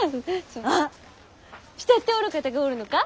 あっ慕っておる方がおるのか？